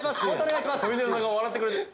上沼さんが笑ってくれてる。